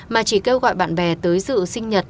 mà chỉ kêu gọi bạn bè tới dự sinh nhật